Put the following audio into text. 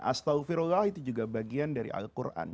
astagfirullah itu juga bagian dari al quran